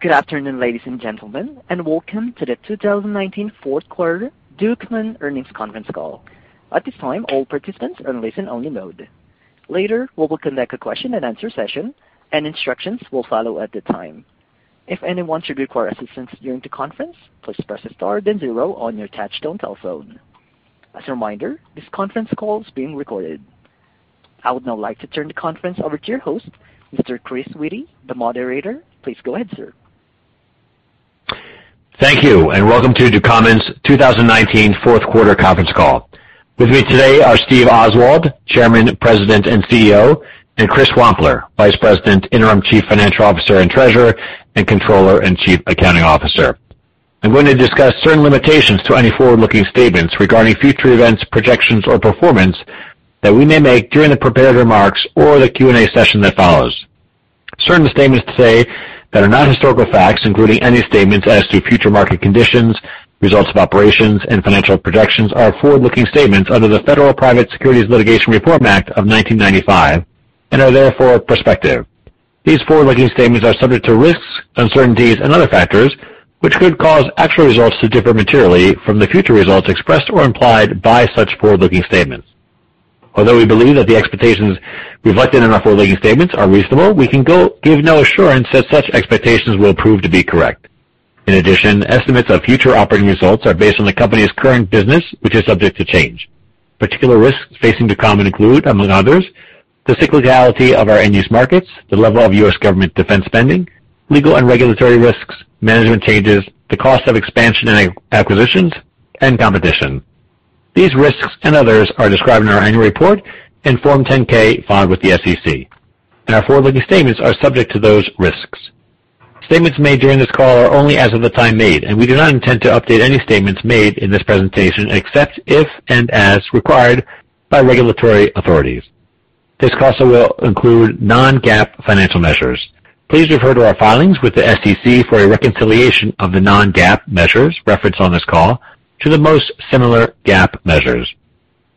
Good afternoon, ladies and gentlemen, and welcome to the 2019 fourth quarter Ducommun earnings conference call. At this time, all participants are in listen-only mode. Later, we will conduct a question and answer session, and instructions will follow at the time. If anyone should require assistance during the conference, please press star then zero on your touchtone telephone. As a reminder, this conference call is being recorded. I would now like to turn the conference over to your host, Mr. Chris Witty, the moderator. Please go ahead, sir. Thank you. Welcome to Ducommun's 2019 fourth quarter conference call. With me today are Steve Oswald, Chairman, President, and CEO, and Chris Wampler, Vice President, Interim Chief Financial Officer and Treasurer, and Controller and Chief Accounting Officer. I'm going to discuss certain limitations to any forward-looking statements regarding future events, projections, or performance that we may make during the prepared remarks or the Q&A session that follows. Certain statements today that are not historical facts, including any statements as to future market conditions, results of operations, and financial projections are forward-looking statements under the Federal Private Securities Litigation Reform Act of 1995 and are therefore prospective. These forward-looking statements are subject to risks, uncertainties, and other factors, which could cause actual results to differ materially from the future results expressed or implied by such forward-looking statements. Although we believe that the expectations reflected in our forward-looking statements are reasonable, we can give no assurance that such expectations will prove to be correct. In addition, estimates of future operating results are based on the company's current business, which is subject to change. Particular risks facing Ducommun include, among others, the cyclicality of our end-use markets, the level of U.S. government defense spending, legal and regulatory risks, management changes, the cost of expansion and acquisitions, and competition. These risks and others are described in our annual report and Form 10-K filed with the SEC, and our forward-looking statements are subject to those risks. Statements made during this call are only as of the time made, and we do not intend to update any statements made in this presentation except if and as required by regulatory authorities. This call also will include non-GAAP financial measures. Please refer to our filings with the SEC for a reconciliation of the non-GAAP measures referenced on this call to the most similar GAAP measures.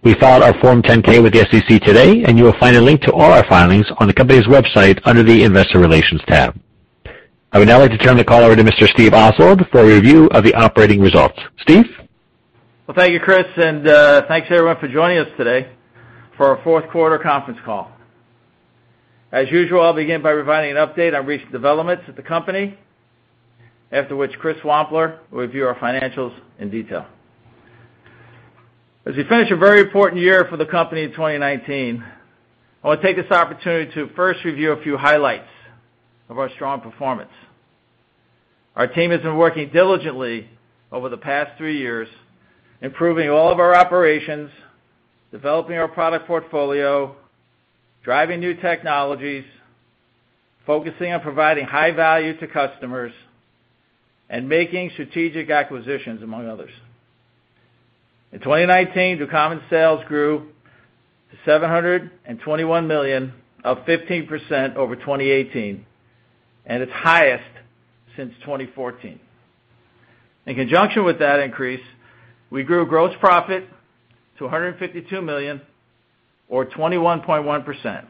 We filed our Form 10-K with the SEC today, and you will find a link to all our filings on the company's website under the Investor Relations tab. I would now like to turn the call over to Mr. Steve Oswald for a review of the operating results. Steve? Well, thank you, Chris, and thanks, everyone, for joining us today for our fourth quarter conference call. As usual, I'll begin by providing an update on recent developments at the company. After which, Chris Wampler will review our financials in detail. As we finish a very important year for the company in 2019, I want to take this opportunity to first review a few highlights of our strong performance. Our team has been working diligently over the past three years, improving all of our operations, developing our product portfolio, driving new technologies, focusing on providing high value to customers, and making strategic acquisitions, among others. In 2019, Ducommun sales grew to $721 million of 15% over 2018, and its highest since 2014. In conjunction with that increase, we grew gross profit to $152 million or 21.1%.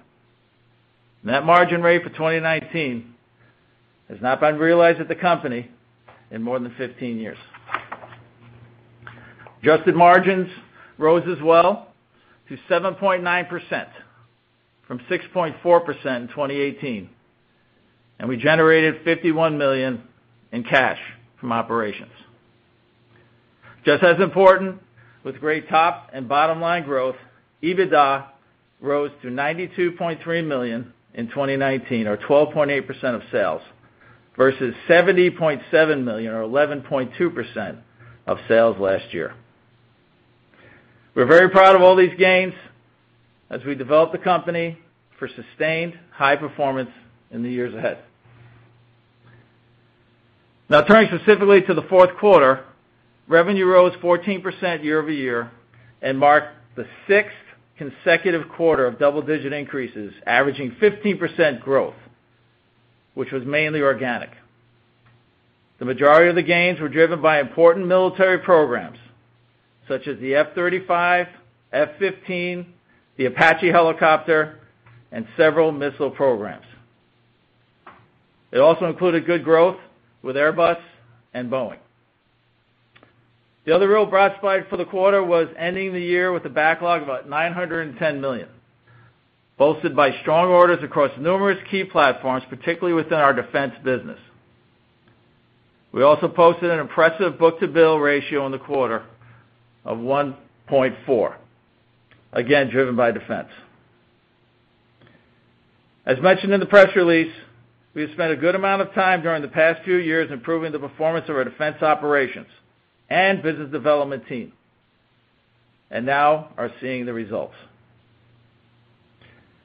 Net margin rate for 2019 has not been realized at the company in more than 15 years. Adjusted margins rose as well to 7.9% from 6.4% in 2018, and we generated $51 million in cash from operations. Just as important, with great top and bottom-line growth, EBITDA rose to $92.3 million in 2019 or 12.8% of sales versus $70.7 million or 11.2% of sales last year. We're very proud of all these gains as we develop the company for sustained high performance in the years ahead. Now, turning specifically to the fourth quarter, revenue rose 14% year-over-year and marked the sixth consecutive quarter of double-digit increases, averaging 15% growth, which was mainly organic. The majority of the gains were driven by important military programs, such as the F-35, F-15, the Apache helicopter, and several missile programs. It also included good growth with Airbus and Boeing. The other real bright spot for the quarter was ending the year with a backlog of about $910 million, bolstered by strong orders across numerous key platforms, particularly within our defense business. We also posted an impressive book-to-bill ratio in the quarter of 1.4, again, driven by defense. As mentioned in the press release, we have spent a good amount of time during the past few years improving the performance of our defense operations and business development team and now are seeing the results.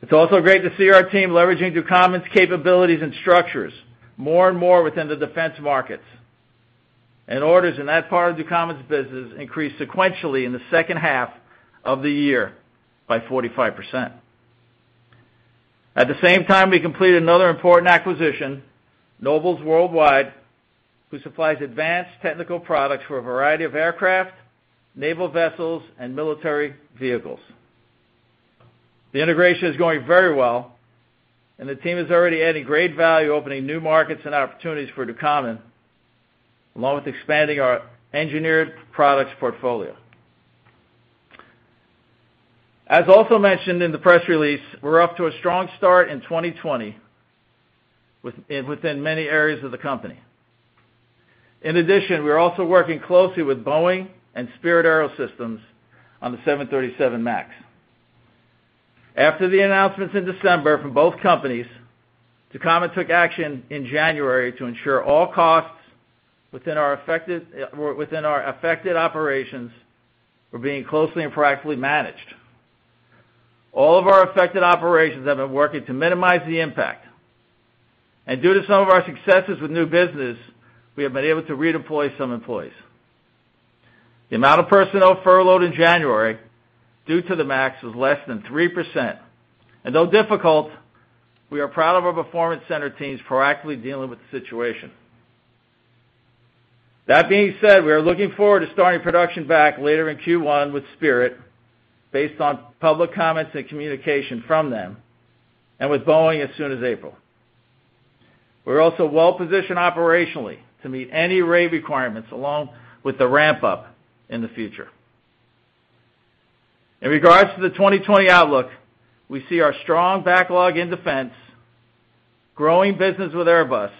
It's also great to see our team leveraging Ducommun's capabilities and structures more and more within the defense markets, and orders in that part of Ducommun's business increased sequentially in the second half of the year by 45%. At the same time, we completed another important acquisition, Nobles Worldwide, who supplies advanced technical products for a variety of aircraft, naval vessels, and military vehicles. The integration is going very well, and the team is already adding great value, opening new markets and opportunities for Ducommun, along with expanding our engineered products portfolio. As also mentioned in the press release, we're off to a strong start in 2020 within many areas of the company. We are also working closely with Boeing and Spirit AeroSystems on the 737 MAX. After the announcements in December from both companies, Ducommun took action in January to ensure all costs within our affected operations were being closely and proactively managed. All of our affected operations have been working to minimize the impact. Due to some of our successes with new business, we have been able to redeploy some employees. The amount of personnel furloughed in January due to the 737 MAX was less than 3%. Though difficult, we are proud of our performance-centered teams proactively dealing with the situation. That being said, we are looking forward to starting production back later in Q1 with Spirit based on public comments and communication from them, and with Boeing as soon as April. We're also well-positioned operationally to meet any rate requirements, along with the ramp-up in the future. In regards to the 2020 outlook, we see our strong backlog in defense, growing business with Airbus,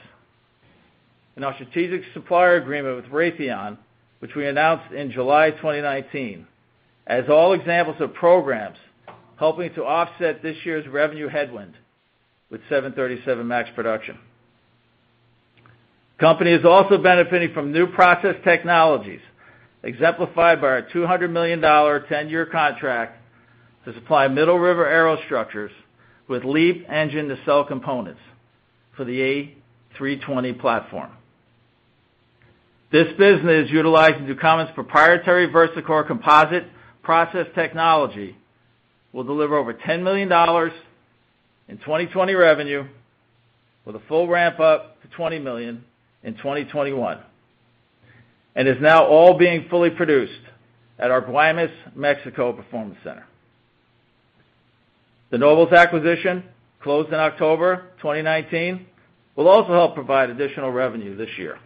and our strategic supplier agreement with Raytheon, which we announced in July 2019, as all examples of programs helping to offset this year's revenue headwind with 737 MAX production. Company is also benefiting from new process technologies, exemplified by our $200 million, 10-year contract to supply Middle River Aerostructures with LEAP engine-to-cell components for the A320 platform. This business utilizing Ducommun's proprietary VersaCore Composite process technology, will deliver over $10 million in 2020 revenue, with a full ramp-up to $20 million in 2021. It is now all being fully produced at our Guaymas, Mexico Performance Center. The Nobles acquisition closed in October 2019, will also help provide additional revenue this year.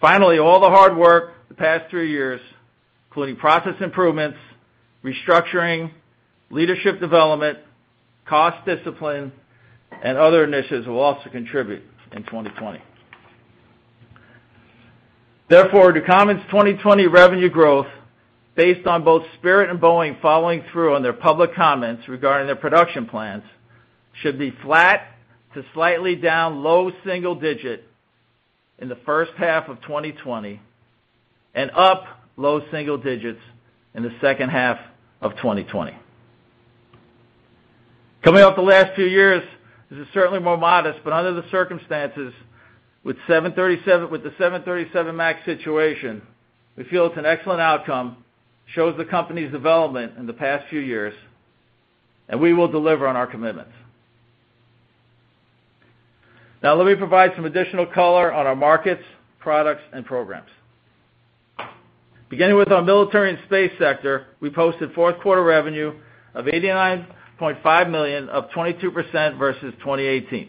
Finally, all the hard work the past three years, including process improvements, restructuring, leadership development, cost discipline, and other initiatives, will also contribute in 2020. Therefore, Ducommun's 2020 revenue growth, based on both Spirit and Boeing following through on their public comments regarding their production plans, should be flat to slightly down low single digit in the first half of 2020, and up low single digits in the second half of 2020. Coming off the last few years, this is certainly more modest, but under the circumstances, with the 737 MAX situation, we feel it's an excellent outcome, shows the company's development in the past few years, and we will deliver on our commitments. Now, let me provide some additional color on our markets, products, and programs. Beginning with our military and space sector, we posted fourth quarter revenue of $89.5 million, up 22% versus 2018.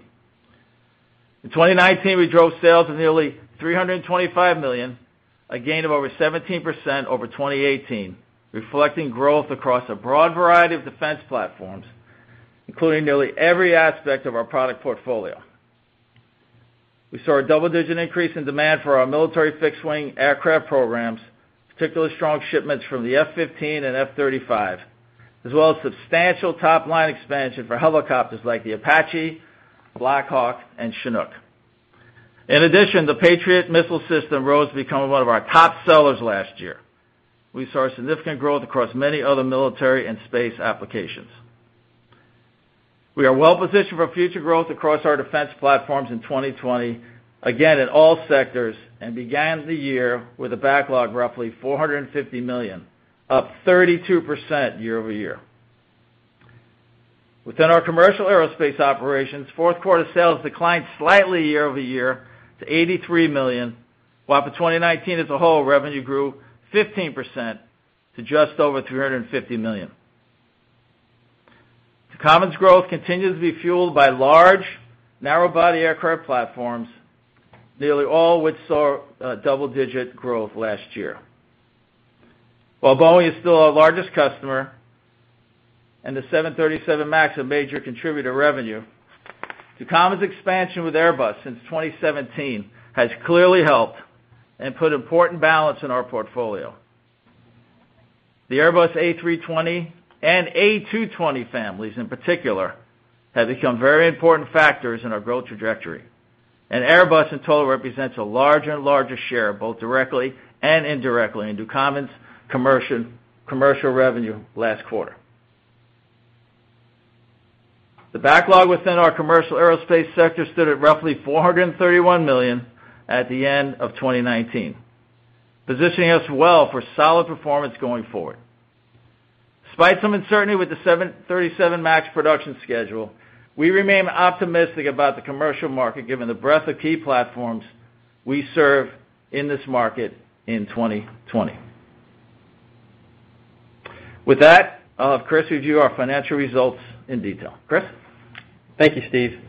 In 2019, we drove sales of nearly $325 million, a gain of over 17% over 2018, reflecting growth across a broad variety of defense platforms, including nearly every aspect of our product portfolio. We saw a double-digit increase in demand for our military fixed-wing aircraft programs, particularly strong shipments from the F-15 and F-35, as well as substantial top-line expansion for helicopters like the Apache, Black Hawk, and Chinook. In addition, the Patriot missile system rose to become one of our top sellers last year. We saw significant growth across many other military and space applications. We are well positioned for future growth across our defense platforms in 2020, again, in all sectors, and began the year with a backlog of roughly $450 million, up 32% year-over-year. Within our commercial aerospace operations, fourth quarter sales declined slightly year-over-year to $83 million, while for 2019 as a whole, revenue grew 15% to just over $350 million. Ducommun's growth continues to be fueled by large narrow-body aircraft platforms, nearly all which saw double-digit growth last year. While Boeing is still our largest customer, and the 737 MAX a major contributor revenue, Ducommun's expansion with Airbus since 2017 has clearly helped and put important balance in our portfolio. The Airbus A320 and A220 families in particular have become very important factors in our growth trajectory, and Airbus in total represents a larger and larger share, both directly and indirectly, in Ducommun's commercial revenue last quarter. The backlog within our commercial aerospace sector stood at roughly $431 million at the end of 2019, positioning us well for solid performance going forward. Despite some uncertainty with the 737 MAX production schedule, we remain optimistic about the commercial market given the breadth of key platforms we serve in this market in 2020. With that, I'll have Chris review our financial results in detail. Chris? Thank you, Steve,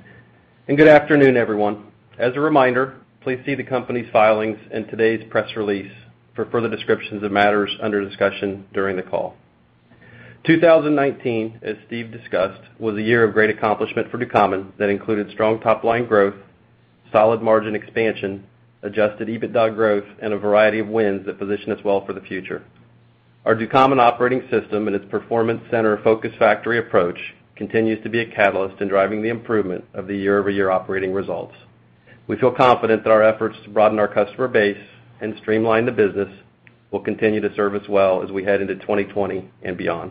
and good afternoon, everyone. As a reminder, please see the company's filings and today's press release for further descriptions of matters under discussion during the call. 2019, as Steve discussed, was a year of great accomplishment for Ducommun that included strong top-line growth, solid margin expansion, Adjusted EBITDA growth, and a variety of wins that position us well for the future. Our Ducommun operating system and its performance Center focus factory approach continues to be a catalyst in driving the improvement of the year-over-year operating results. We feel confident that our efforts to broaden our customer base and streamline the business will continue to serve us well as we head into 2020 and beyond.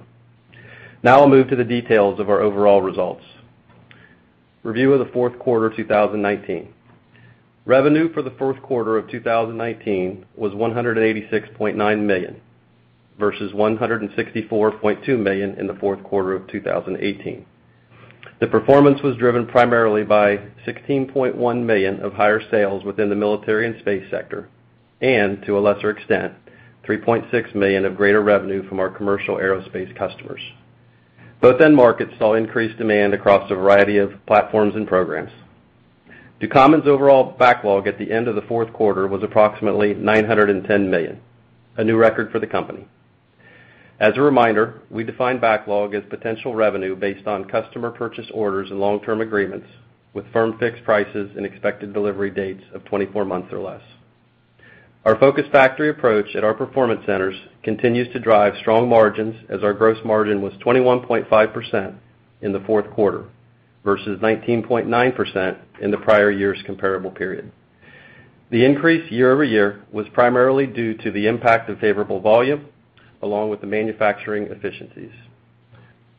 Now I'll move to the details of our overall results. Review of the fourth quarter 2019. Revenue for the fourth quarter of 2019 was $186.9 million versus $164.2 million in the fourth quarter of 2018. The performance was driven primarily by $16.1 million of higher sales within the military and space sector, and to a lesser extent, $3.6 million of greater revenue from our commercial aerospace customers. Both end markets saw increased demand across a variety of platforms and programs. Ducommun's overall backlog at the end of the fourth quarter was approximately $910 million, a new record for the company. As a reminder, we define backlog as potential revenue based on customer purchase orders and long-term agreements with firm fixed prices and expected delivery dates of 24 months or less. Our focus factory approach at our Performance Centers continues to drive strong margins as our gross margin was 21.5% in the fourth quarter versus 19.9% in the prior year's comparable period. The increase year-over-year was primarily due to the impact of favorable volume along with the manufacturing efficiencies.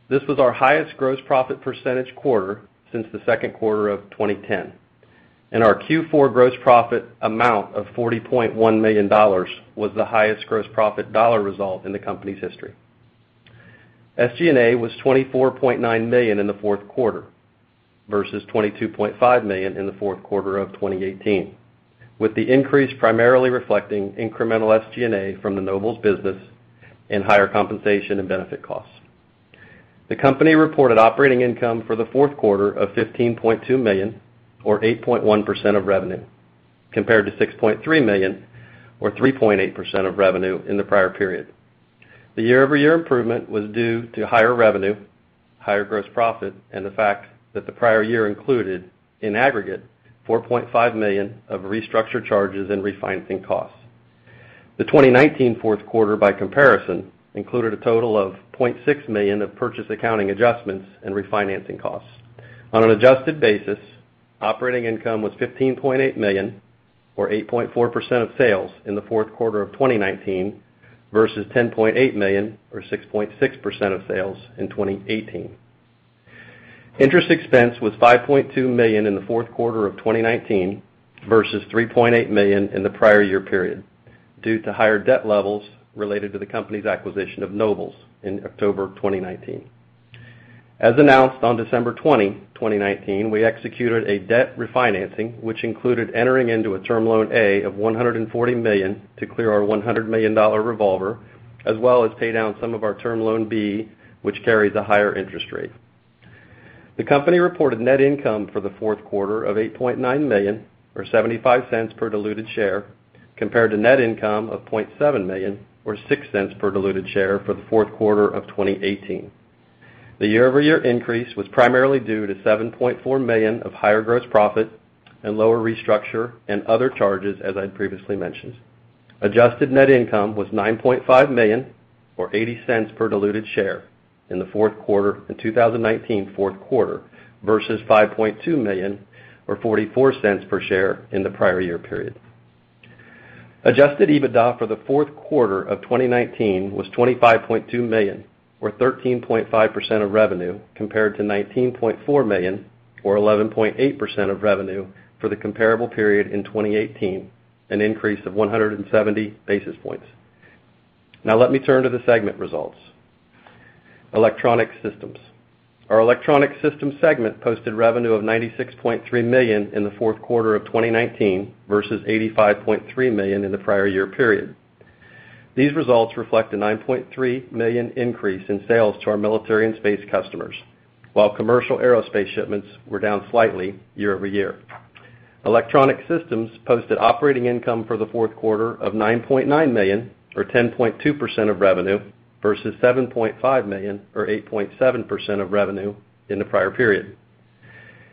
This was our highest gross profit percentage quarter since the second quarter of 2010 and our Q4 gross profit amount of $40.1 million was the highest gross profit dollar result in the company's history. SG&A was $24.9 million in the fourth quarter versus $22.5 million in the fourth quarter of 2018, with the increase primarily reflecting incremental SG&A from the Nobles business and higher compensation and benefit costs. The company reported operating income for the fourth quarter of $15.2 million or 8.1% of revenue, compared to $6.3 million or 3.8% of revenue in the prior period. The year-over-year improvement was due to higher revenue, higher gross profit, and the fact that the prior year included, in aggregate, $4.5 million of restructure charges and refinancing costs. The 2019 fourth quarter, by comparison, included a total of $0.6 million of purchase accounting adjustments and refinancing costs. On an adjusted basis, operating income was $15.8 million or 8.4% of sales in the fourth quarter of 2019 versus $10.8 million or 6.6% of sales in 2018. Interest expense was $5.2 million in the fourth quarter of 2019 versus $3.8 million in the prior year period due to higher debt levels related to the company's acquisition of Nobles in October 2019. As announced on December 20, 2019, we executed a debt refinancing, which included entering into a Term Loan A of $140 million to clear our $100 million revolver as well as pay down some of our Term Loan B, which carries a higher interest rate. The company reported net income for the fourth quarter of $8.9 million or $0.75 per diluted share compared to net income of $0.7 million or $0.06 per diluted share for the fourth quarter of 2018. The year-over-year increase was primarily due to $7.4 million of higher gross profit and lower restructure and other charges as I previously mentioned. Adjusted net income was $9.5 million or $0.80 per diluted share in the 2019 fourth quarter versus $5.2 million or $0.44 per share in the prior year period. Adjusted EBITDA for the fourth quarter of 2019 was $25.2 million or 13.5% of revenue compared to $19.4 million or 11.8% of revenue for the comparable period in 2018, an increase of 170 basis points. Let me turn to the segment results. Electronic Systems. Our Electronic Systems segment posted revenue of $96.3 million in the fourth quarter of 2019 versus $85.3 million in the prior year period. These results reflect a $9.3 million increase in sales to our military and space customers while commercial aerospace shipments were down slightly year-over-year. Electronic Systems posted operating income for the fourth quarter of $9.9 million or 10.2% of revenue versus $7.5 million or 8.7% of revenue in the prior period.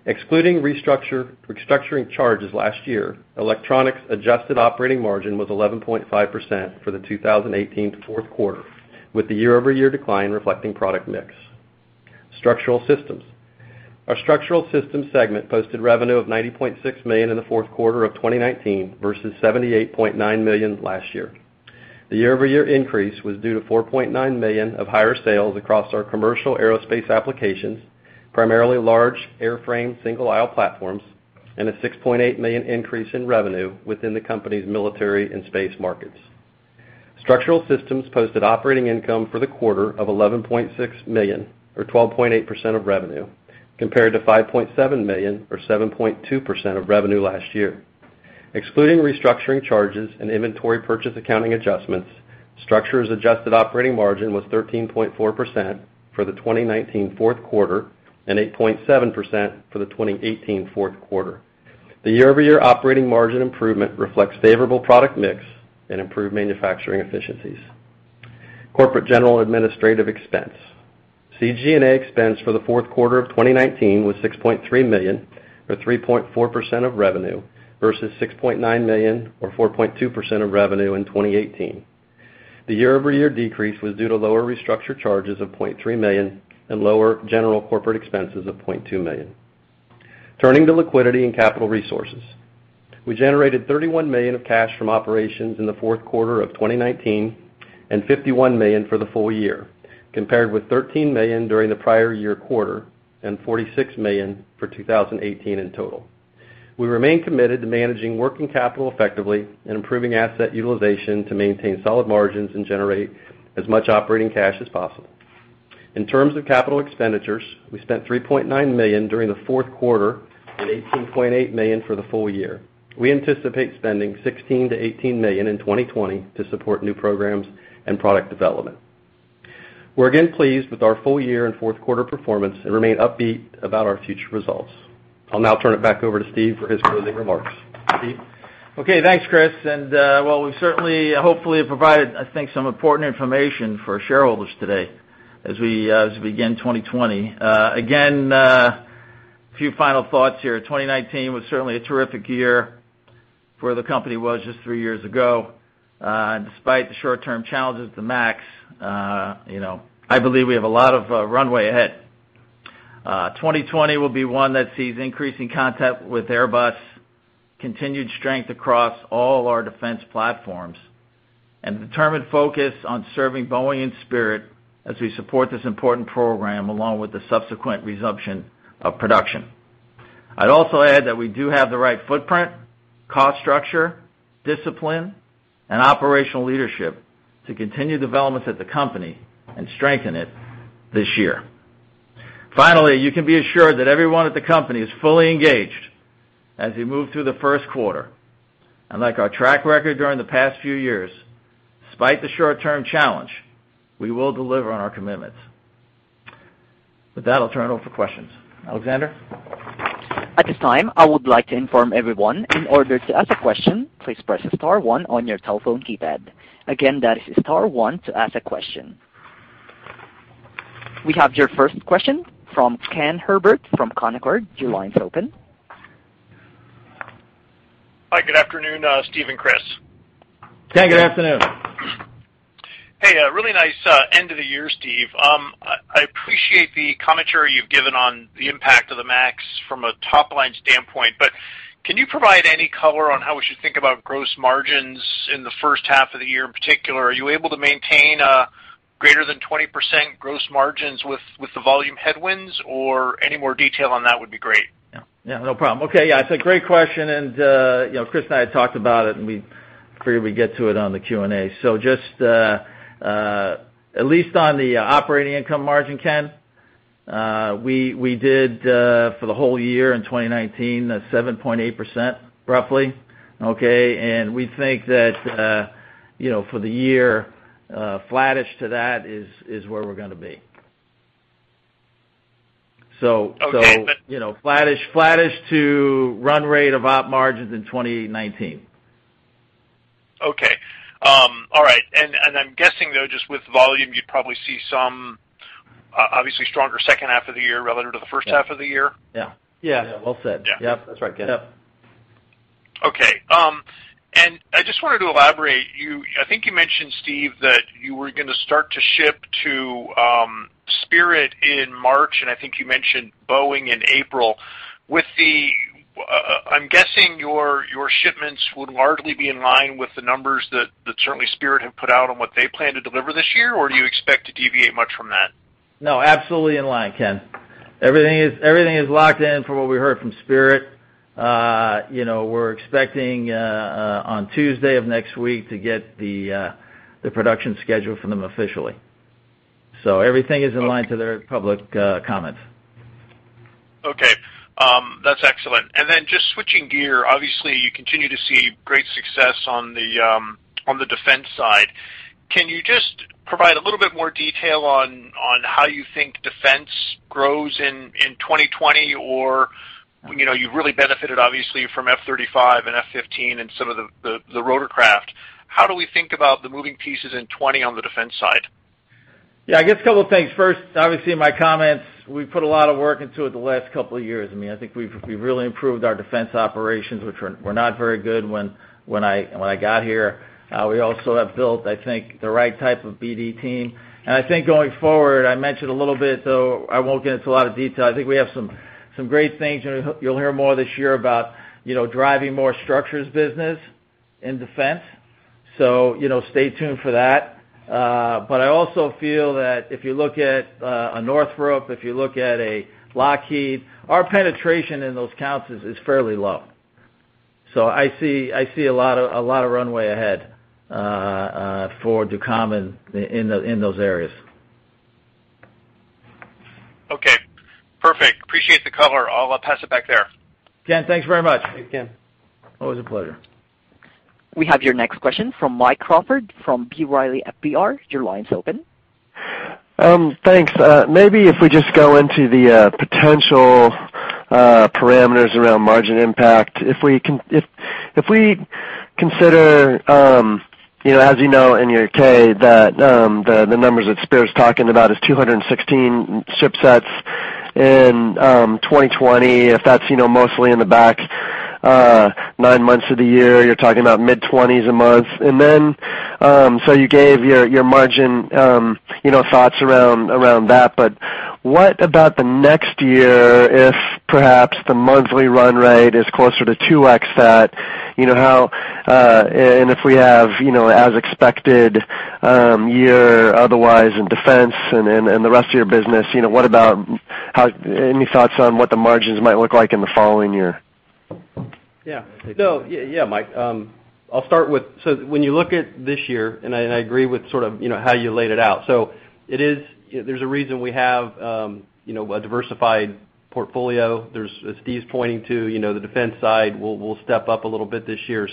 Excluding restructuring charges last year, Electronic Systems adjusted operating margin was 11.5% for the 2018 fourth quarter with the year-over-year decline reflecting product mix. Structural Systems. Our Structural Systems segment posted revenue of $90.6 million in the fourth quarter of 2019 versus $78.9 million last year. The year-over-year increase was due to $4.9 million of higher sales across our commercial aerospace applications, primarily large airframe single-aisle platforms and a $6.8 million increase in revenue within the company's military and space markets. Structural systems posted operating income for the quarter of $11.6 million, or 12.8% of revenue, compared to $5.7 million, or 7.2% of revenue last year. Excluding restructuring charges and inventory purchase accounting adjustments, structures adjusted operating margin was 13.4% for the 2019 fourth quarter and 8.7% for the 2018 fourth quarter. The year-over-year operating margin improvement reflects favorable product mix and improved manufacturing efficiencies. Corporate general administrative expense. CG&A expense for the fourth quarter of 2019 was $6.3 million, or 3.4% of revenue, versus $6.9 million, or 4.2% of revenue in 2018. The year-over-year decrease was due to lower restructure charges of $0.3 million and lower general corporate expenses of $0.2 million. Turning to liquidity and capital resources. We generated $31 million of cash from operations in the fourth quarter of 2019 and $51 million for the full year, compared with $13 million during the prior year quarter and $46 million for 2018 in total. We remain committed to managing working capital effectively and improving asset utilization to maintain solid margins and generate as much operating cash as possible. In terms of capital expenditures, we spent $3.9 million during the fourth quarter and $18.8 million for the full year. We anticipate spending $16 million-$18 million in 2020 to support new programs and product development. We're again pleased with our full year and fourth quarter performance and remain upbeat about our future results. I'll now turn it back over to Steve for his closing remarks. Steve? Okay. Thanks, Chris. Well, we've certainly, hopefully, provided, I think, some important information for shareholders today as we begin 2020. Again, a few final thoughts here. 2019 was certainly a terrific year where the company was just three years ago. Despite the short-term challenges of the Max, I believe we have a lot of runway ahead. 2020 will be one that sees increasing contact with Airbus, continued strength across all our defense platforms, and determined focus on serving Boeing and Spirit as we support this important program, along with the subsequent resumption of production. I'd also add that we do have the right footprint, cost structure, discipline, and operational leadership to continue developments at the company and strengthen it this year. Finally, you can be assured that everyone at the company is fully engaged as we move through the first quarter and like our track record during the past few years, despite the short-term challenge, we will deliver on our commitments. With that, I'll turn it over for questions. Alexander? At this time, I would like to inform everyone, in order to ask a question, please press star one on your telephone keypad. Again, that is star one to ask a question. We have your first question from Ken Herbert from Canaccord. Your line's open. Hi, good afternoon, Steve and Chris. Ken, good afternoon. Hey, a really nice end of the year, Steve. I appreciate the commentary you've given on the impact of the 737 MAX from a top-line standpoint. Can you provide any color on how we should think about gross margins in the first half of the year in particular? Are you able to maintain greater than 20% gross margins with the volume headwinds? Any more detail on that would be great. Yeah, no problem. Okay. Yeah, it's a great question. Chris and I had talked about it, and we figured we'd get to it on the Q&A. Just, at least on the operating income margin, Ken, we did, for the whole year in 2019, 7.8%, roughly. Okay. We think that for the year, flattish to that is where we're going to be. Flattish to run rate of op margins in 2019. Okay. All right. I'm guessing, though, just with volume, you'd probably see some obviously stronger second half of the year relative to the first half of the year. Yeah. Yeah. Well said. Yeah. Yep, that's right, Ken. Yep. Okay. I just wanted to elaborate, I think you mentioned, Steve, that you were going to start to ship to Spirit in March, and I think you mentioned Boeing in April. I'm guessing your shipments would largely be in line with the numbers that certainly Spirit have put out on what they plan to deliver this year, or do you expect to deviate much from that? No, absolutely in line, Ken. Everything is locked in from what we heard from Spirit. We're expecting on Tuesday of next week to get the production schedule from them officially. Everything is in line to their public comments. Okay. That's excellent. Then just switching gear, obviously, you continue to see great success on the defense side. Can you just provide a little bit more detail on how you think defense grows in 2020? You've really benefited, obviously, from F-35 and F-15 and some of the rotorcraft. How do we think about the moving pieces in 2020 on the defense side? Yeah, I guess a couple of things. First, obviously, in my comments, we've put a lot of work into it the last couple of years. I think we've really improved our defense operations, which were not very good when I got here. We also have built, I think, the right type of BD team. I think going forward, I mentioned a little bit, though I won't get into a lot of detail, I think we have some great things, and you'll hear more this year about driving more structures business in defense. Stay tuned for that. I also feel that if you look at a Northrop, if you look at a Lockheed, our penetration in those counts is fairly low. I see a lot of runway ahead for Ducommun in those areas. Okay, perfect. Appreciate the color. I'll pass it back there. Ken, thanks very much. Thanks, Ken. Always a pleasure. We have your next question from Mike Crawford from B. Riley FBR. Your line's open. Thanks. Maybe if we just go into the potential parameters around margin impact. If we consider, as you know in your K, that the numbers that Steve's talking about is 216 shipsets in 2020, if that's mostly in the back nine months of the year, you're talking about mid-20s a month. You gave your margin thoughts around that, but what about the next year, if perhaps the monthly run rate is closer to 2x that, and if we have as expected year otherwise in defense and the rest of your business, any thoughts on what the margins might look like in the following year? Mike, I'll start with. When you look at this year, I agree with how you laid it out. There's a reason we have a diversified portfolio. There's, as Steve's pointing to, the defense side will step up a little bit this year.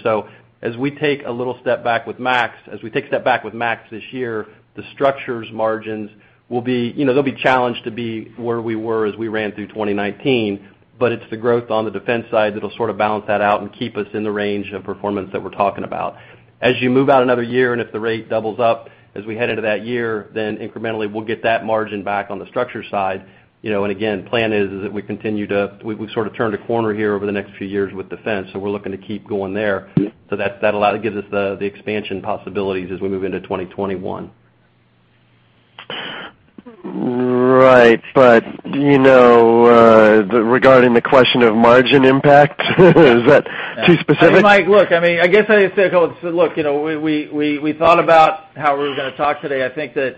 As we take a step back with 737 MAX this year, the structures margins, they'll be challenged to be where we were as we ran through 2019, it's the growth on the defense side that'll sort of balance that out and keep us in the range of performance that we're talking about. As you move out another year, if the rate doubles up as we head into that year, incrementally we'll get that margin back on the structure side. Again, plan is that we continue to, we've sort of turned a corner here over the next few years with defense, so we're looking to keep going there. That gives us the expansion possibilities as we move into 2021. Right but you know regarding the question of margin impact, is that too specific? Mike, look, I guess I just say, look, we thought about how we were going to talk today. I think that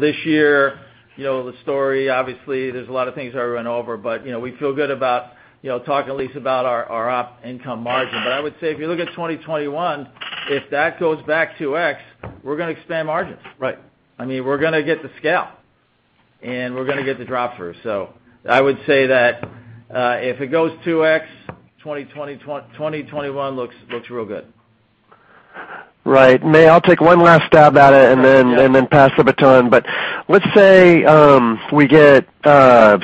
this year, the story, obviously, there's a lot of things I ran over, but we feel good about talking at least about our op income margin. I would say if you look at 2021, if that goes back 2x, we're going to expand margins. Right. We're going to get the scale, and we're going to get the drop through. I would say that if it goes 2x, 2021 looks real good. Right. May I'll take one last stab at it and then pass the baton. Let's say we get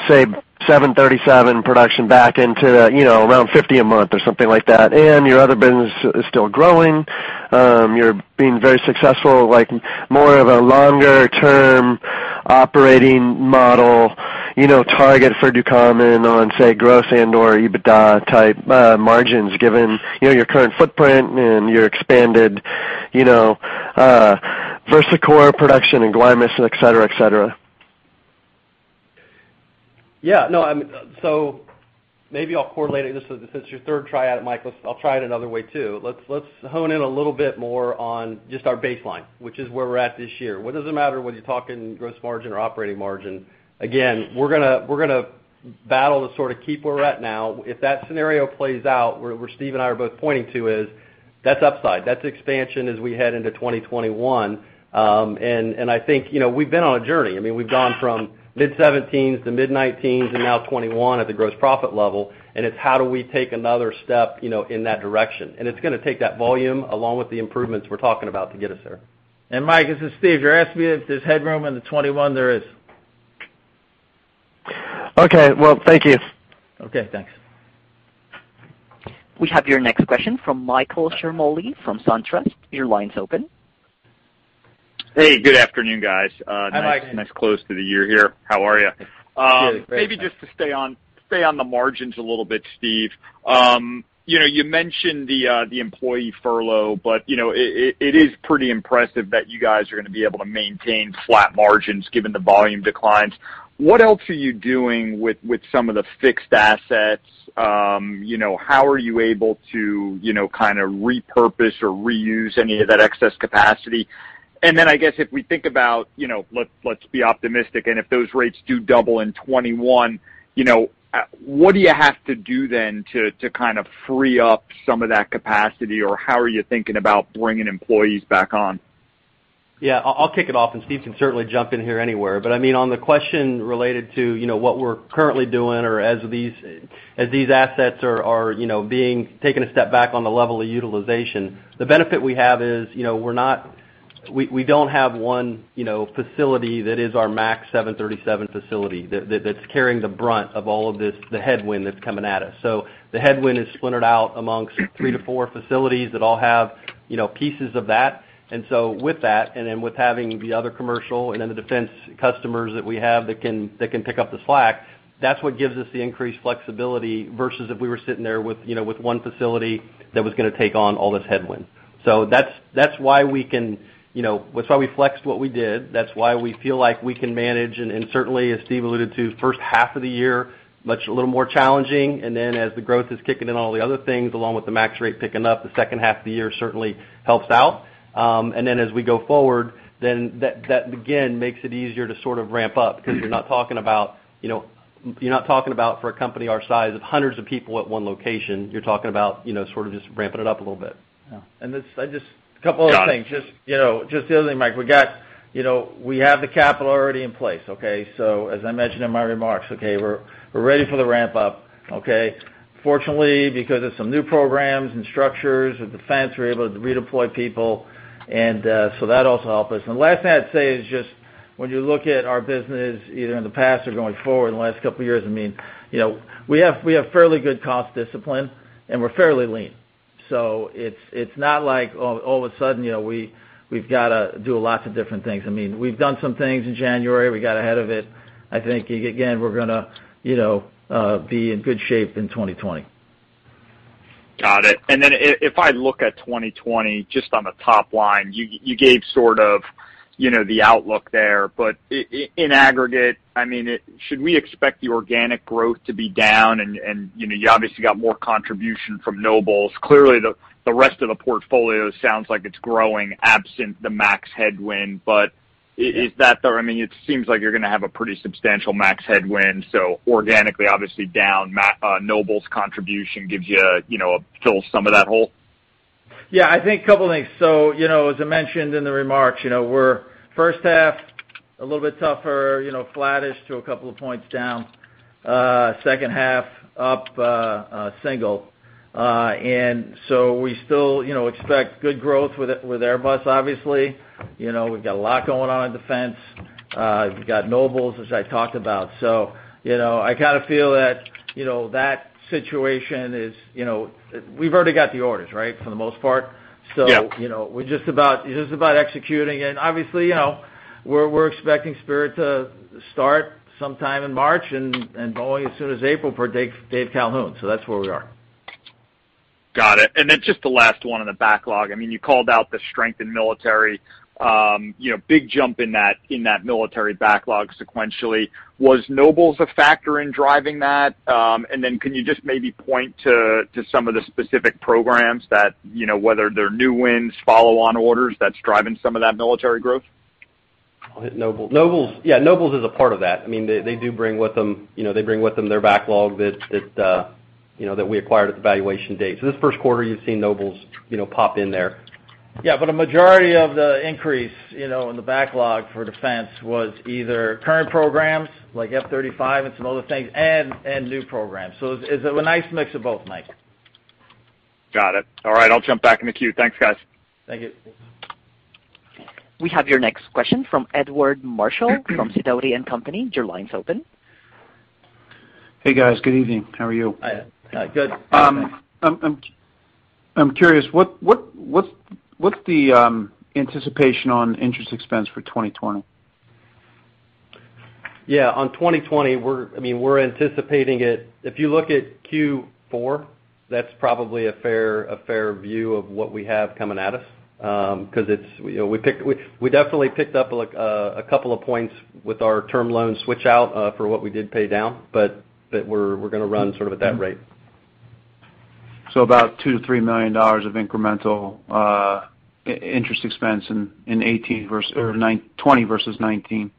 say 737 production back into around 50 a month or something like that, and your other business is still growing. You're being very successful, like more of a longer-term operating model target for Ducommun on, say, gross and/or EBITDA type margins given your current footprint and your expanded VersaCore production and Guaymas, et cetera. Maybe I'll correlate it. Since it's your third try at it, Mike, I'll try it another way, too. Let's hone in a little bit more on just our baseline, which is where we're at this year. It doesn't matter whether you're talking gross margin or operating margin. Again, we're going to battle to sort of keep where we're at now. If that scenario plays out, where Steve and I are both pointing to is that's upside. That's expansion as we head into 2021. I think we've been on a journey. We've gone from mid-17s to mid-19s and now 2021 at the gross profit level, it's how do we take another step in that direction. It's going to take that volume along with the improvements we're talking about to get us there. Mike, this is Steve. You're asking me if there's headroom in the 2021, there is. Okay. Well, thank you. Okay, thanks. We have your next question from Michael Ciarmoli from SunTrust. Your line's open. Hey, good afternoon, guys. Hi, Mike. Nice close to the year here. How are you? Good. Thanks, Mike. Maybe just to stay on the margins a little bit, Steve. You mentioned the employee furlough, but it is pretty impressive that you guys are going to be able to maintain flat margins given the volume declines. What else are you doing with some of the fixed assets? How are you able to repurpose or reuse any of that excess capacity? Then I guess if we think about, let's be optimistic, and if those rates do double in 2021, what do you have to do then to kind of free up some of that capacity, or how are you thinking about bringing employees back on? Yeah. I'll kick it off and Steve can certainly jump in here anywhere. On the question related to what we're currently doing or as these assets are being taken a step back on the level of utilization, the benefit we have is we don't have one facility that is our MAX 737 facility that's carrying the brunt of all of this, the headwind that's coming at us. The headwind is splintered out amongst three to four facilities that all have pieces of that. With that and then with having the other commercial and then the defense customers that we have that can pick up the slack, that's what gives us the increased flexibility versus if we were sitting there with one facility that was going to take on all this headwind. That's why we flexed what we did, that's why we feel like we can manage, and certainly, as Steve alluded to, first half of the year, a little more challenging. As the growth is kicking in, all the other things along with the 737 MAX rate picking up the second half of the year certainly helps out. As we go forward, then that again makes it easier to sort of ramp up because you're not talking about for a company our size of hundreds of people at one location. You're talking about sort of just ramping it up a little bit. Yeah. Just a couple other things. Got it. Just the other thing, Mike, we have the capital already in place, okay? As I mentioned in my remarks, okay, we're ready for the ramp-up, okay? Fortunately, because of some new programs and structures with defense, we're able to redeploy people. That also helped us. The last thing I'd say is just when you look at our business, either in the past or going forward in the last couple of years, we have fairly good cost discipline and we're fairly lean. It's not like all of a sudden, we've got to do lots of different things. We've done some things in January. We got ahead of it. I think, again, we're going to be in good shape in 2020. Got it. If I look at 2020, just on the top line, you gave sort of the outlook there, but in aggregate, should we expect the organic growth to be down and you obviously got more contribution from Nobles? Clearly, the rest of the portfolio sounds like it's growing absent the max headwind. It seems like you're going to have a pretty substantial max headwind. Organically, obviously down. Nobles contribution gives you a fill some of that hole? Yeah, I think a couple of things. As I mentioned in the remarks, first half, a little bit tougher, flattish to a couple of points down. Second half up, single. We still expect good growth with Airbus, obviously. We've got a lot going on in defense. We've got Nobles, as I talked about. I kind of feel that that situation is we've already got the orders, right, for the most part. Yeah. We're just about executing. Obviously, we're expecting Spirit to start sometime in March and Boeing as soon as April per Dave Calhoun. That's where we are. Got it. Just the last one in the backlog. You called out the strength in military. Big jump in that military backlog sequentially. Was Nobles a factor in driving that? Can you just maybe point to some of the specific programs that whether they're new wins, follow-on orders that's driving some of that military growth? I'll hit Nobles. Yeah, Nobles is a part of that. They do bring with them their backlog that we acquired at the valuation date. This first quarter, you've seen Nobles pop in there. A majority of the increase in the backlog for defense was either current programs like F-35 and some other things, and new programs. It's a nice mix of both, Mike. Got it. All right, I'll jump back in the queue. Thanks, guys. Thank you. We have your next question from Edward Marshall from Sidoti & Company. Your line's open. Hey, guys. Good evening. How are you? Hi, Ed. Good. I'm curious, what's the anticipation on interest expense for 2020? Yeah, on 2020, we're anticipating it. If you look at Q4, that's probably a fair view of what we have coming at us. We definitely picked up a couple of points with our term loan switch out for what we did pay down. We're going to run sort of at that rate. About $2 million-$3 million of incremental interest expense or 2020 versus 2019.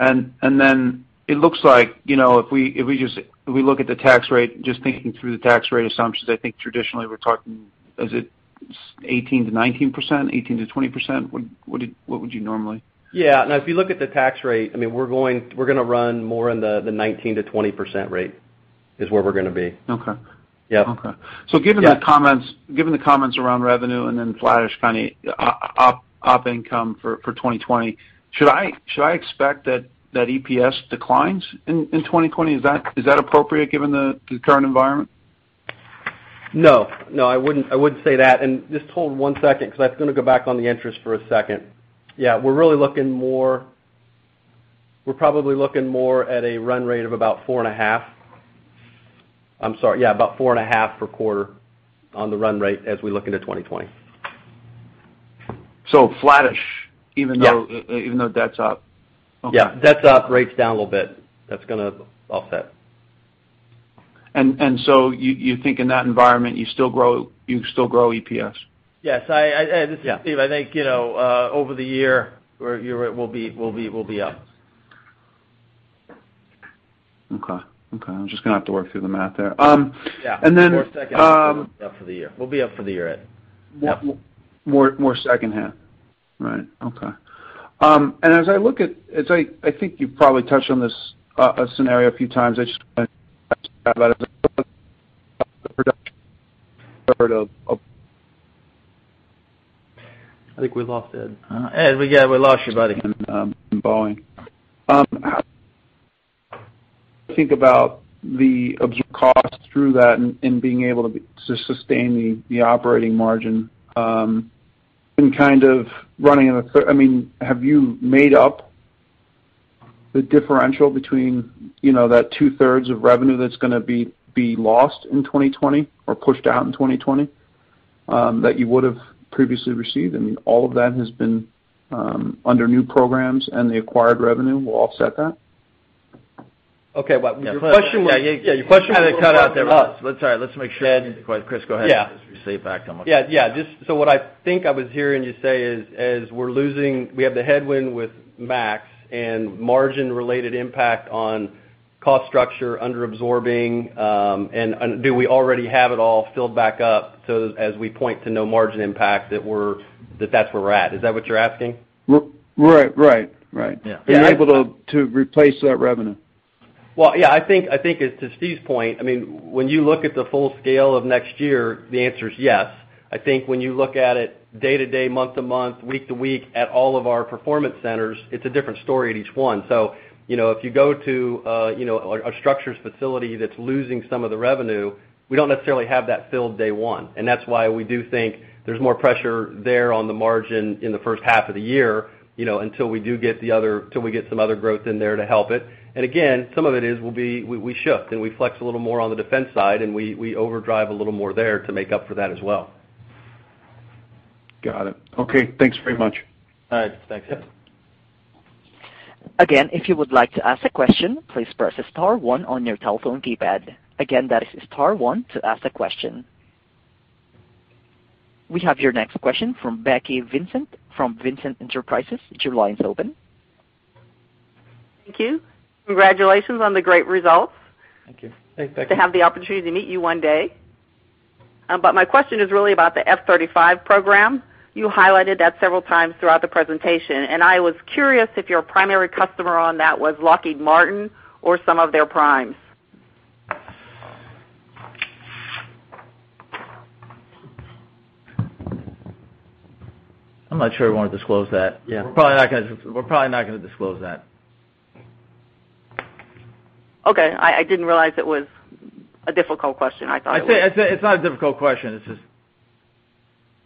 Then it looks like, if we look at the tax rate, just thinking through the tax rate assumptions, I think traditionally we're talking, is it 18%-19%, 18%-20%? What would you normally? Yeah, no, if you look at the tax rate, we're going to run more in the 19%-20% rate is where we're going to be. Okay. Yep. Okay. Given the comments around revenue and then flattish kind of op income for 2020, should I expect that EPS declines in 2020? Is that appropriate given the current environment? No. No, I wouldn't say that. Just hold one second, because I was going to go back on the interest for a second. We're probably looking more at a run rate of about 4.5 per quarter on the run rate as we look into 2020. flattish even though Yeah even though debt's up. Okay. Yeah. Debt's up, rate's down a little bit. That's going to offset. You think in that environment, you still grow EPS? Yes. This is Steve. I think, over the year, we'll be up. Okay. I'm just going to have to work through the math there. Yeah. And then- More second half, but we'll be up for the year. We'll be up for the year, Ed. Yep. More second half. Right. Okay. As I look at, I think you probably touched on this scenario a few times. I think we lost Ed. Ed, yeah, we lost you, buddy. in Boeing, how [inaudible] think about the observed costs through that and being able to sustain the operating margin and kind of running in a, have you made up the differential between that 2/3 of revenue that's going to be lost in 2020 or pushed out in 2020, that you would have previously received? All of that has been under new programs, and the acquired revenue will offset that? Okay, the question was. Yeah, your question kind of cut out there with us. Let's try it. Let's make sure. Chris, go ahead. Yeah. Just receive back on- Yeah. What I think I was hearing you say is, as we're losing, we have the headwind with 737 MAX and margin related impact on. Cost structure underabsorbing. Do we already have it all filled back up so as we point to no margin impact that's where we're at. Is that what you're asking? Right. Yeah. Being able to replace that revenue. Well, yeah, I think to Steve's point, when you look at the full scale of next year, the answer is yes. I think when you look at it day to day, month to month, week to week at all of our Performance Centers, it's a different story at each one. If you go to a structures facility that's losing some of the revenue, we don't necessarily have that filled day one. That's why we do think there's more pressure there on the margin in the first half of the year, until we get some other growth in there to help it. Again, some of it is we shift, and we flex a little more on the defense side, and we overdrive a little more there to make up for that as well. Got it. Okay. Thanks very much. All right. Thanks. Again, if you would like to ask a question, please press star one on your telephone keypad. Again, that is star one to ask a question. We have your next question from Becky Vincent from Vincent Enterprises. Your line's open. Thank you. Congratulations on the great results. Thank you. Thanks, Becky. I hope to have the opportunity to meet you one day. My question is really about the F-35 program. You highlighted that several times throughout the presentation, and I was curious if your primary customer on that was Lockheed Martin or some of their primes. I'm not sure we want to disclose that. Yeah. We're probably not going to disclose that. Okay. I didn't realize it was a difficult question. It's not a difficult question.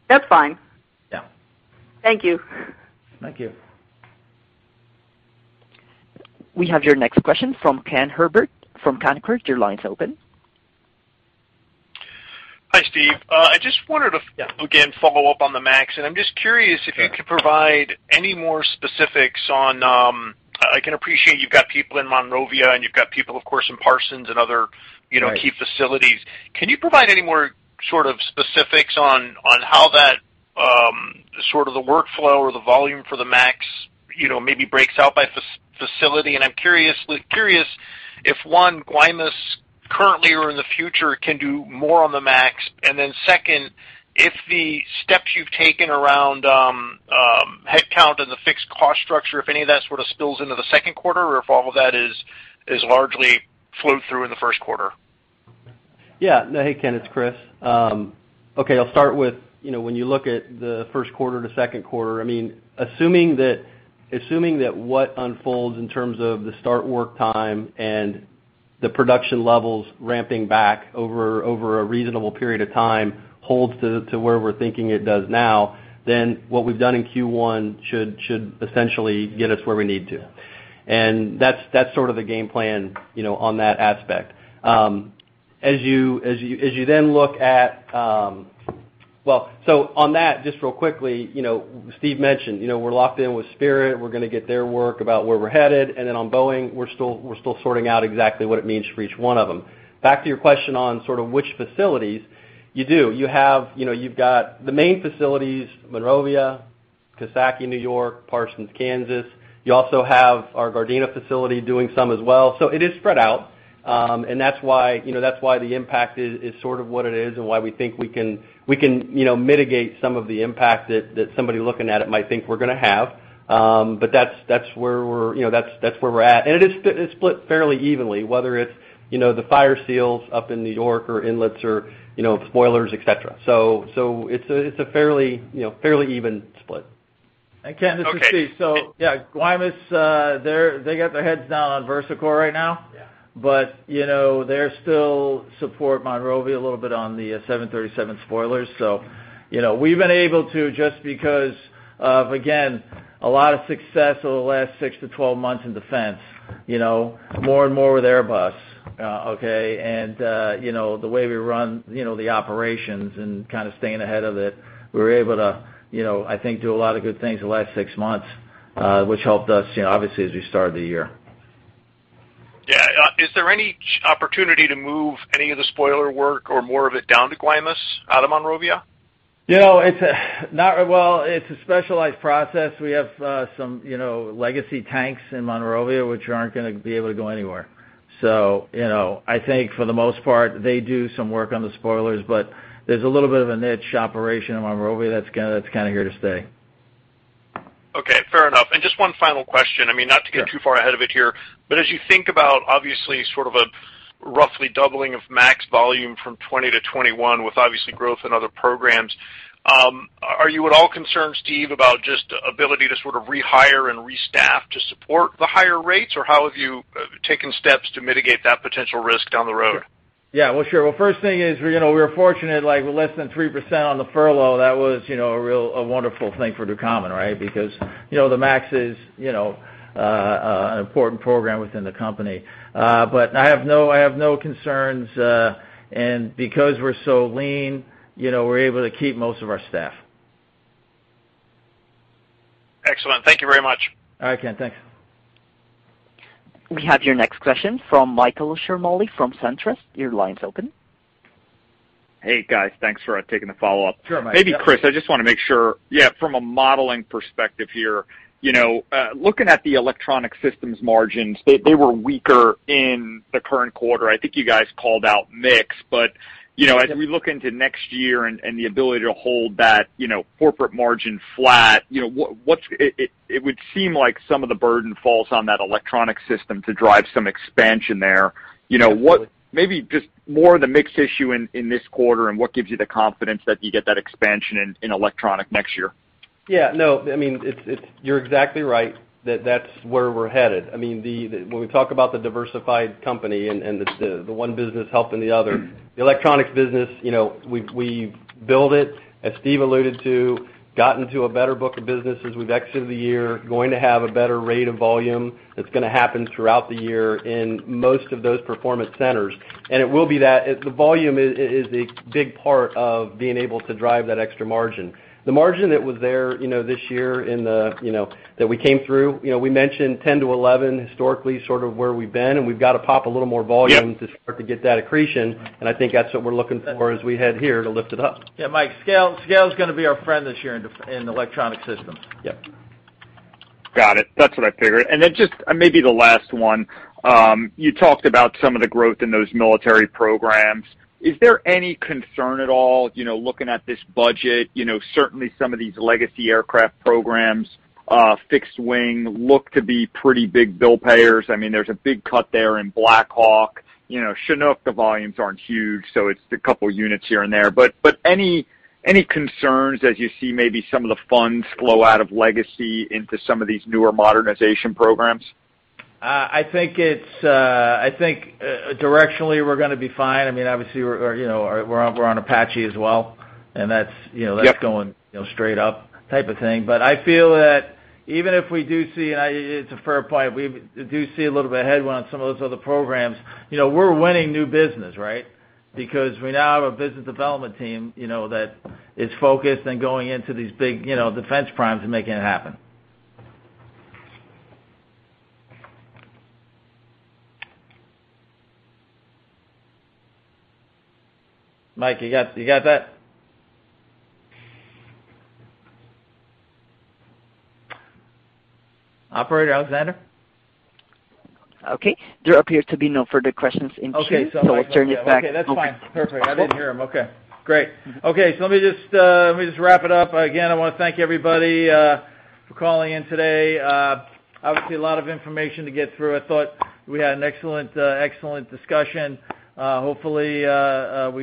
That's fine. Yeah. Thank you. Thank you. We have your next question from Ken Herbert from Canaccord. Your line's open. Hi, Steve. Yeah I just wanted to again, follow up on the MAX, and I'm just curious if you could provide any more specifics on, I can appreciate you've got people in Monrovia, and you've got people, of course, in Parsons and other key facilities. Can you provide any more sort of specifics on how that sort of the workflow or the volume for the 737 MAX, maybe breaks out by facility? And I'm curious if, one, Guaymas currently or in the future can do more on the 737 MAX, and then second, if the steps you've taken around headcount and the fixed cost structure, if any of that sort of spills into the second quarter or if all of that is largely flowed through in the first quarter? Yeah. Hey, Ken, it's Chris. Okay, I'll start with, when you look at the first quarter to second quarter, assuming that what unfolds in terms of the start work time and the production levels ramping back over a reasonable period of time holds to where we're thinking it does now, then what we've done in Q1 should essentially get us where we need to. That's sort of the game plan on that aspect. On that, just real quickly, Steve mentioned, we're locked in with Spirit. We're going to get their work about where we're headed. On Boeing, we're still sorting out exactly what it means for each one of them. Back to your question on sort of which facilities, you do. You've got the main facilities, Monrovia, Coxsackie, New York and Parsons, Kansas. You also have our Gardena facility doing some as well. It is spread out. That's why the impact is sort of what it is and why we think we can mitigate some of the impact that somebody looking at it might think we're going to have. That's where we're at. It is split fairly evenly, whether it's the fire seals up in New York or inlets or spoilers, et cetera. It's a fairly even split. Ken, this is Steve. Okay. Yeah, Guaymas, they got their heads down on VersaCore right now. Yeah. They still support Monrovia a little bit on the 737 spoilers. We've been able to, just because of, again, a lot of success over the last six to 12 months in defense, more and more with Airbus. Okay. The way we run the operations and kind of staying ahead of it, we were able to I think do a lot of good things the last six months, which helped us, obviously, as we started the year. Yeah. Is there any opportunity to move any of the spoiler work or more of it down to Guaymas out of Monrovia? Well, it's a specialized process. We have some legacy tanks in Monrovia, which aren't going to be able to go anywhere. I think for the most part, they do some work on the spoilers, but there's a little bit of a niche operation in Monrovia that's kind of here to stay. Okay. Fair enough. Just one final question, not to get too far ahead of it here, but as you think about obviously sort of a roughly doubling of 737 MAX volume from 2020 to 2021 with obviously growth in other programs, are you at all concerned, Steve, about just ability to sort of rehire and restaff to support the higher rates? Or how have you taken steps to mitigate that potential risk down the road? Yeah. Well, sure. Well, first thing is, we were fortunate, like with less than 3% on the furlough. That was a wonderful thing for Ducommun, right? Because the 737 MAX is an important program within the company. I have no concerns, and because we're so lean, we're able to keep most of our staff. Excellent. Thank you very much. All right, Ken. Thanks. We have your next question from Michael Ciarmoli from SunTrust. Your line's open. Hey, guys. Thanks for taking the follow-up. Sure, Mike. Maybe Chris, I just want to make sure, from a modeling perspective here, looking at the Electronic Systems margins, they were weaker in the current quarter. I think you guys called out mix, but as we look into next year and the ability to hold that corporate margin flat, it would seem like some of the burden falls on that Electronic System to drive some expansion there. Maybe just more of the mix issue in this quarter, and what gives you the confidence that you get that expansion in electronic next year? Yeah, you're exactly right. That's where we're headed. When we talk about the diversified company and the one business helping the other, the electronics business, we've built it. As Steve alluded to, gotten to a better book of business as we've exited the year, going to have a better rate of volume that's going to happen throughout the year in most of those Performance Centers. It will be that the volume is a big part of being able to drive that extra margin. The margin that was there this year that we came through, we mentioned 10%-11% historically, sort of where we've been, and we've got to pop a little more volume to start to get that accretion, and I think that's what we're looking for as we head here to lift it up. Yeah, Mike, scale's going to be our friend this year in Electronic Systems. Yep. Got it. That's what I figured. Just maybe the last one, you talked about some of the growth in those military programs. Is there any concern at all, looking at this budget? Certainly, some of these legacy aircraft programs, fixed wing, look to be pretty big bill payers. There's a big cut there in Black Hawk. Chinook, the volumes aren't huge, so it's a couple units here and there. Any concerns as you see maybe some of the funds flow out of legacy into some of these newer modernization programs? I think directionally, we're going to be fine. Obviously, we're on Apache as well, and that's going straight up type of thing. But I feel that even if we do see, and it's a fair point, we do see a little bit of a headwind on some of those other programs. We're winning new business, right? Because we now have a business development team that is focused on going into these big defense primes and making it happen. Mike, you got that? Operator, Alexander? Okay. There appears to be no further questions in queue, so I'll turn it back- Okay, that's fine. Perfect. I didn't hear him. Okay, great. Let me just wrap it up. Again, I want to thank everybody for calling in today. Obviously, a lot of information to get through. I thought we had an excellent discussion. Hopefully, we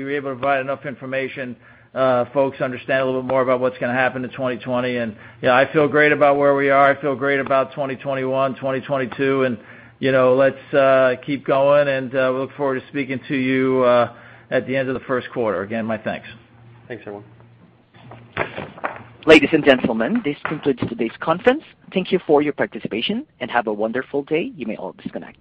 were able to provide enough information. Folks understand a little bit more about what's going to happen in 2020, and I feel great about where we are. I feel great about 2021, 2022, and let's keep going, and we look forward to speaking to you at the end of the first quarter. Again, my thanks. Thanks, everyone. Ladies and gentlemen, this concludes today's conference. Thank you for your participation, and have a wonderful day. You may all disconnect.